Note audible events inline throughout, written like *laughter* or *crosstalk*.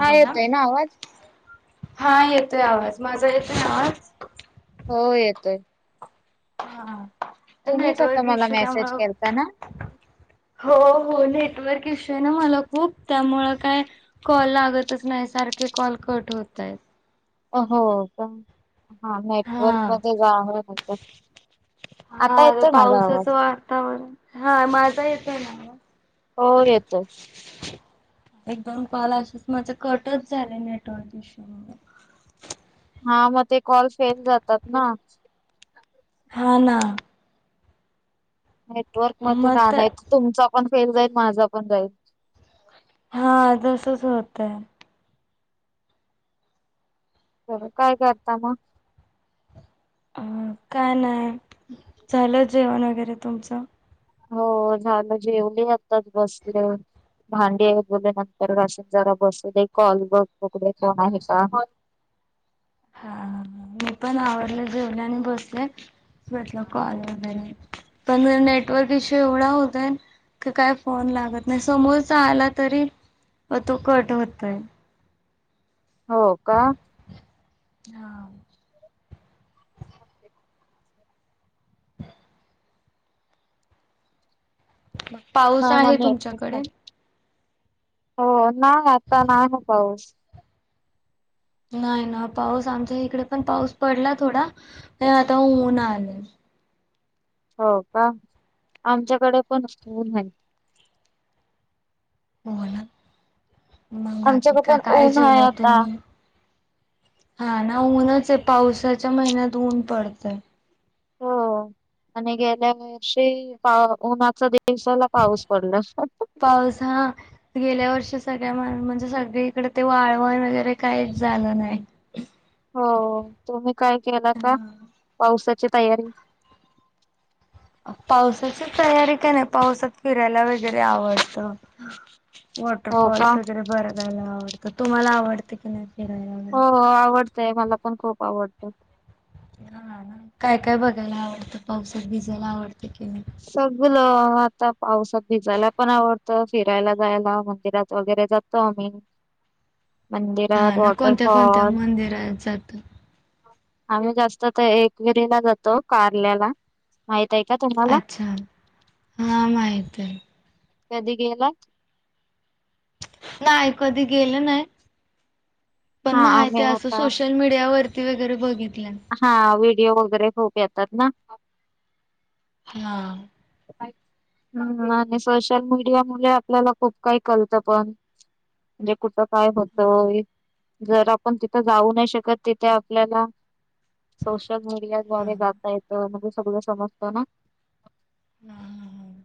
हा बोला. येतोय ना आवाज. हा येतोय आवाज माझा येतोय आवाज हो येतोय. हा तुम्हीच आता नेटवर्क मला इशू मेसेज त्यामुळं केलता ना? हो. हो नेटवर्क इशू आहे ना मला खूप त्यामुळे काय कॉल लागतच नाही सारखे कॉल कट होत आहेत. हो पण हा नेटवर्क हा. मध्ये जावं *unintelligible* आता हार येतोय माझा पावसाचं आवाज? वातावरण हा माझा येतोय ना आवाज हो येतोय एक दोन कॉल असच माझ कटच झालंय नेटवर्क इशू मुळे. हा मग ते कॉल फेल जातात ना. हो ना. नेटवर्क मध्ये मग रा ते नाही तर तुमचा पण फेल जाईल माझा पण जाईल. हा तसच होतय. काय करता मग? अ काय नाही झालं जेवण वगैरे तुमचं? हो झालं जेवली आत्ताच बसले होते. भांडी वगैरे नंतर घासी जरा बसू दे कॉल बघू दे कोण आहे का? *inaudible* हा मी पण आवरल जेवलं आणि बसले म्हटलं कॉल वगैरे. पण नेटवर्क इश्यु एवढा होतय क काय फोन लागत नाही समोरचा आला तरी तो कट होतय. हो का? हा... पाऊस नाही आहे *unintelligible* नाही. तुमच्याकडे? हो नाही आता नाही ना पाऊस. नाही ना पाऊस आमच्या इकडे पण पाऊस पडला थोडा आता ऊन आलय हो का आमच्याकडे पण ऊन हाय. बोला मंग बाकी आमच्याकडे का पण काय ऊन आहे जेवला आता. तुम्ही. हा ना ऊनच आहे पावसाच्या महिन्यात ऊन पडतंय. हो आणि गेल्या वर्षी पा उन्हाच. दिवसाला पाऊस पडला. *unintelligible* पाऊस हा गेल्या वर्षी सगळ्या म्हणजे सगळीकडे ते वाळवण वगैरे काहीच झालं नाही. हो तुम्ही काय केला का पावसाची तयारी. पावसाची तयारी का नाही पावसात फिरायला वगैरे आवडत. हो का? वॉटरफॉल्स वगैरे बरगायला आवडतं तुम्हाला आवडते की नाही. फिरायला वगैरे? हो हो आवडतय मला पण खूप आवडतं. हा काय काय बघायला आवडतं पावसात भिजायला आवडतं. की नाही? सगळं. आता पावसात भिजायला पण आवडतं फिरायला जायला मंदिरात वगैरे जातो आम्ही. *inaudible* हा मंदिरात ना कोणत्या कोणत्या वॉटरफॉल मंदिरात जाता आम्ही जास्त ते एकवेरीला जातो कारल्याला माहित आहे का तुम्हाला? अच्छा हा माहित आहे. कधी गेलात. नाही कधी गेलं नाही पण, हा माहित आम्ही अस आता सोशल मीडिया वरती. वगैरे बघित. हा व्हिडिओ वगैरे खूप येतात ना. हा... हम्म आणि सोशल मीडिया मु आपल्याला खूप काही कळतं पण, म्हणजे कुठ. काय होत हम्म. जर आपण तिथं जाऊ नाही शकत, तिथे आपल्याला सोशल मीडिया द्वारे जाता येतं म सगळं समजत ना. हम हम हम.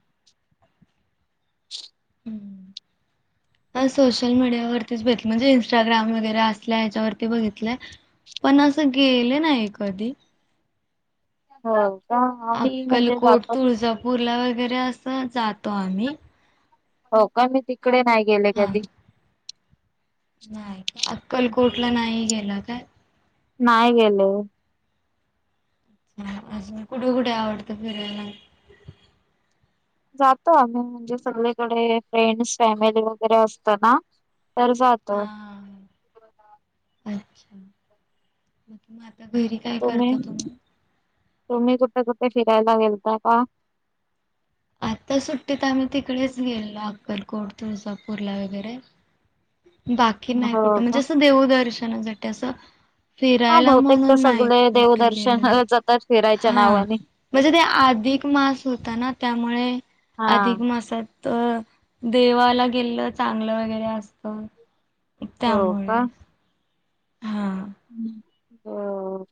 *unintelligible* हम्म. सोशल मीडियावरतीच बघितलं म्हणजे इं्स्टाग्राम वगैरे असल्या ह्याच्यावरती बघितलंय. पण असं गेलं नाही कधी. हो. का आम्ही म्हणजे अक्कलकोट, जातो तुळजापूरला वगैरे असं जातो आम्ही. हो का मी तिकडे नाही गेले हा कधी. नाही का अक्कलकोटला नाही गेला काय! नाही गेलो. म आजून कुठे कुठे आवडत फिरायला? जातो आम्ही म्हणजे, सगळीकडे फ्रेंड्स फॅमिली वगैरे असत ना. तर जातो. हा *unintelligible* अच्छा म मग आता घरी काय करता तुम्ही? तुम्ही कुठे कुठे फिरायला गेलता का? आता सुट्टीत आम्ही तिकडेच गेलो अक्कलकोट तुळजापूरला वगैरे. बाकी नाही हो कुठं का? म्हणजे, असं देवदर्शनासाठी असं हा फिरायला बहुतेक तर म्हणून नाही सगळे कुठे गेलं देवदर्शनाला जातात फिरायच्या हा. नावाने. म्हणजे ते अधिक मास होता, ना त्यामुळे हा अधिक मासात तर देवाला गेलं चांगलं वगैरे असत. हो का? त्यामुळे. हा हो.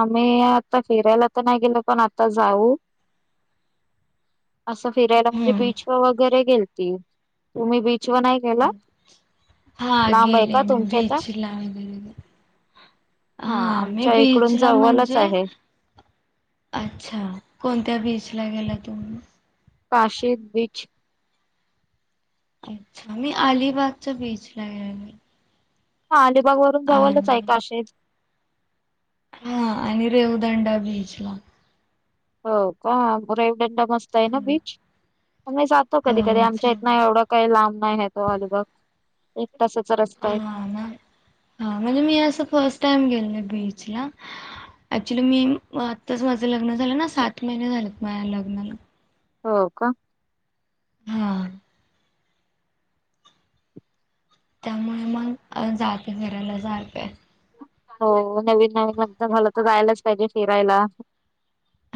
आम्ही आता फिरायला तर नाही गेलो पण आता जाऊ. असं फिरायला म्हणजे हम्म बीच व वगैरे गेलतील तुम्ही बीच, व नाही गेला हा लांब आहे गेले का मी तुमच्या इथ. बीचला वगैरे हा आमच्या इकड बिचला म्हणजे, अच्छा कोणत्या बीचला! बीचला गेला तुम्ही. कशेद बीच. अच्छा मी अलिबागच्या बीच ला गेलोय. हा अलिबाग वरून जवळच आहे काशेद. हा आणि रेवदांडा बीच ला. हो का रैवडंडा मस्त आहे ना हम्म. बीच. आम्ही जातो कधी कधी, हो आमच्या चांग इथन एवढा काही लांब नाही आहे तो अलीबाग. हा हा म्हणजे मी असं फर्स्ट टाइम गे. बीचला, एकचूलि मी आताच माझ लग्न झालं ना सात महिने झालं माझ्या लग्नाला. नाला. हो का. हां. त्यामुळे मग जाते फिरायला सारख आहे. हो नवीन नवीन लग्न झालं तर जायलाच पाहिजे फिरायला.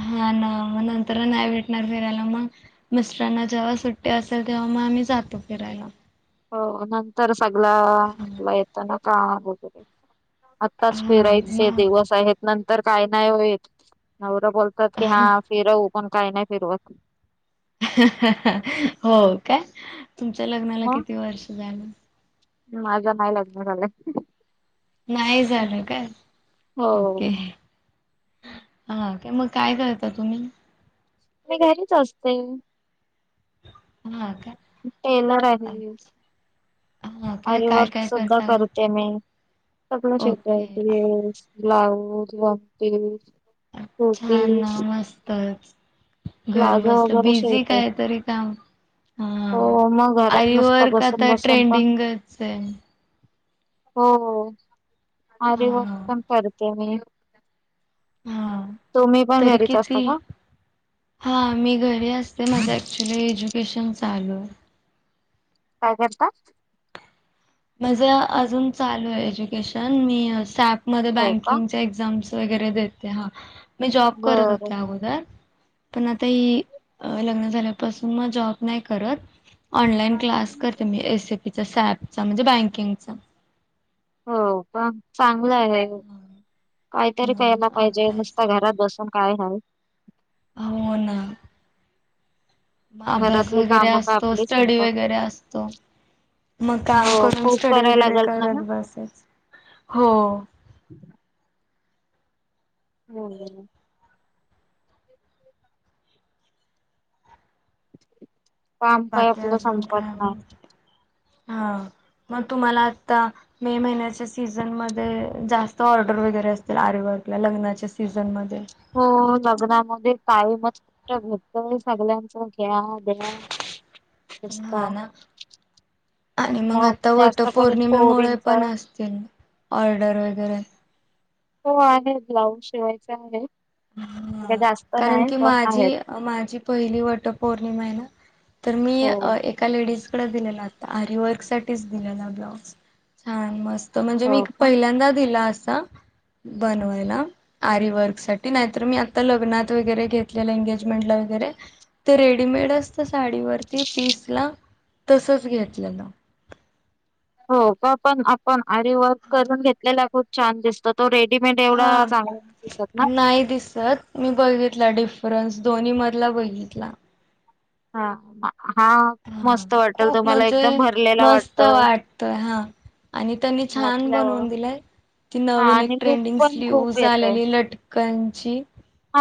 हा ना मग नंतर नाही भेटणार फिरायला मग मिस्टरांना जेव्हा सुट्टी असेल तेव्हा मग आम्ही जातो फिरायला. हो नंतर हा सगळं येत ना काम वगैरे. आत्ताच हा फिरायचे मग दिवस आहेत नंतर काय नाही होईत. बोलतात की हा फिरवू पण काय नाही फिरवत हो काय तुमच्या लग्नाला किती वर्ष झालं? माझा नाही लग्न झालं. नाही झालं का हो ओके. हा मग काय करता तुम्ही? ते घरीच असतें. हा. काय टेलर आहे मी. अच्छा हा काय काय अरीवर्क काय सुद्धा करता? करते मी. सगळं शिवता ओके येत आहे ड्रेस ब्लाऊज छान कुर्तीज मस्तच. घर प्लाझो बसल्या वगैरे बिझी शिवते. काय तरी काम हा हो मग घरात अरी नुसतं वर्क बसून आता बसून पण ट्रेंडिंगच आहे. हो हा आिवर् हा पण करते मी हा. तुम्ही पण तरी घरीच असता किती का? हा मी घरी असते माझं ऍक्च्युली एज्युकेशन चालू आहे. काय करता? माझे अजून चालू आहे एज्युकेशन मी सॅपमध्ये हो का? बँकिंगचे एक्झाम वगैरे मी जॉब करत होते बरं. अगोदर. पण आता ही लग्न झाल्यापासून मग जॉब नाही करत. ऑनलाइन क्लास करते मी एस एपीचा सॅपचा म्हणजे बँकिंगचा हो पण चांगलं आहे. काहीतरी हम्म, करायला पाहिजे अभ्यास नुसतं वगैरे. घरात बसून काय आहे. हो ना. मग अभ्यास घरातली वगैरे कामं काय असतो आपली स्टडी संपत वगैरे नाही. असतो. मग काम हो करून खूप स्टडी करायला वगैरे लागत ना ग. करत बसेच हो. हो. काम काय बाकी आपलं अजून संपत काय मग नाही. हा. मग तुम्हाला आता मे महिन्याच्या सीझन मध्ये जास्त ऑर्डर वगैरे असतील आरी वर्क लग्नाच्या सीझन मध्ये हो लग्नामध्ये कायम घटतंय सगळ्यांच या द्या रस्ता हा ना आणि मग आता वटर पौर्णिमेमुळे पोरींचा पण असतील ऑर्डर वगैरे हो आहे ब्लाऊज शिवायचा आहे. का जास्त कारण नाही की पण आहेत माझी माझी पहिली वट पौर्णिमा आहे ना? तर मी हो एका लेडीज कड दिलेलाता आरीवर्क साठीच दिलेला ब्लाऊज छान मस्त त म्हणजे मी हो का पहिल्यांदा दिला असा बनवायला आरी वर्क साठी नाही तर मी आता लग्नात वैगरे घेतले एंगेजमेंट ला वगैरे रेडीमेड असतं साडी वरती पीसला तसंच घेतलं. हो का पण आपण अरी वर्क करून घेतलेला खूप छान दिसतो. तो रेडीमेड हा एवढा चांगला नाही दिसत ना नाही दिसत मी बघितला डिफरन्स. दोन्ही मधला बघितला हा. हा हा मस्त वाटेल खूप तुम्हाला म्हणजे एकदम भरलेला मस्त वाटतो. वाटतय हा. आणि त्यांनी छान घातल्यावर बनवून दिलाय. ती हा नवीन एक आणि लुक ट्रेंडिंग पण स्लीव, खूप येतय आलेली लटकन.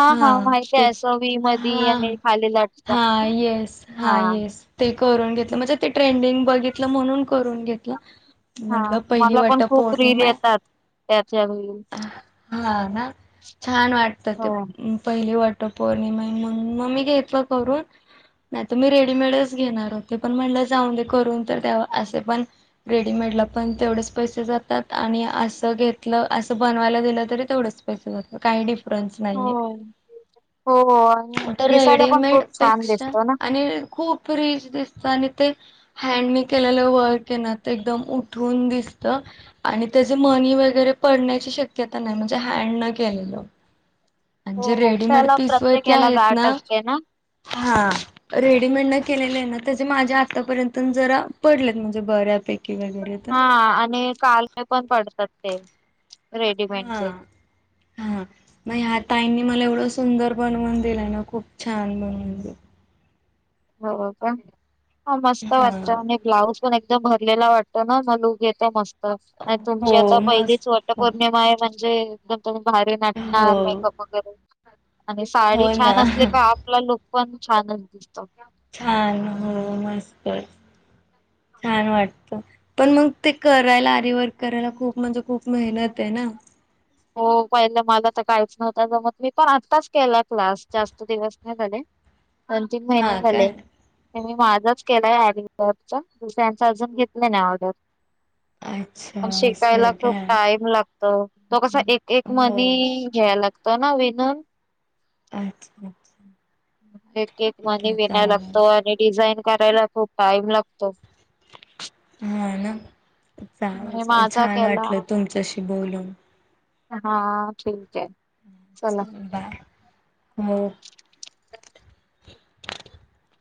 हा, माहिती ते आहे असं वी मधी आणि खाली लटकन हा ना येस हा येस ते करून घेतल, म्हणजे ते ट्रेंडंग बघित म्हणून करून घेतल. हा म्हणलं पहिली मला पण खूप रील वटपौर्णिमा आहे. येतात त्याच्या रील हा ना छान वाटतं ते हो पहिली वट पौर्णिमा आहे मग मी घेतलं करून. नाहीतर मी रेडीमेडच घेणार होते, पण म्हणलं जाऊ दे करून तर द्यावं असे पण रेडीमेड ला पण तेवढेच पैसे जातात आणि असं घेतलं असं बनवायला दिलं तरी तेवढेच पैसे जातात काही डिफरन्स नाहीये. हो हो आणि आता दिसायला पण रेडीमेड खूप छान पेक्षा दिसतो ना. आणि खूप फ्रीज दिसतं, आणि ते हँड नी केलेलं वर्क ये ना ते एकदम उठून दिसतं. आणि त्याचे मनी वगैरे पडण्याची शक्यता नाही म्हणजे हँड न केलेलं. आणि हो जे हो रेडीमेड त्याला पिस प्रत्येक वरती ह्याला आहेत गाठ ना? असते ना. हा रेडीमेड न केलेले आहे ना त्याचे माझे आतापर्यंत जरा पडलेत म्हणजे बऱ्यापैकी! वगैरे तर हा आणि काळे पण पडतात ते. हा रेडीमेडचे. हा मग ह्या ताईंनी मला एवढं सुंदर बनवून दिलं ना खूप छान बनवून दिलं. हो हो का, हा मस्त वाटतं आणि ब्लाउज पण एकदम भरलेला वाटतो ना मग लूक येतो मस्त. हो तुमची आता मस्त पहिलीच वट हो. पौर्णिमा आहे म्हणजे तुम्ही भारी नटणार मेकअप वगैरे आणि हो साडी ना छान असली का आपला लुक पण छानच दिसतो. छान हो मस्तच. छान वाटतं पण मग ते करायला आरिवर्क करायला खूप म्हणजे खूप मेहनत आहे- - ना? हो पहिला मला तर काहीच नव्हतं जमत मी पण आत्ताच केलाय क्लास जास्त दिवस नाही झाले. दोन तीन हा महिने झाले. काय ते मी माझाच केलाय आरी वर्कचा दुसऱ्यांच अजून घेतली नाही ऑर्डर! अच्छा पण असं शिकायला आहे खूप काय टाईम लाग तो. तो कसा एक एक हो मनी घ्याय लागतो ना विनून? अच्छा अच्छा. एक एक ठीक मनी आहे विनाय चालेल लागतो आणि डिझाईन करायला खूप टाइम लागतो. *inaudible* हा ना मी चांगलं‌ माझा छान केला वाटलं तुमच्याशी बोलून! हा ठीक आहे. चला. चालेल बाय. *inaudible*